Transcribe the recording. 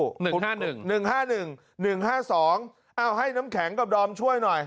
หนึ่งห้าหนึ่งหนึ่งห้าหนึ่งหนึ่งห้าสองเอ้าให้น้ำแข็งกับดอมช่วยหน่อย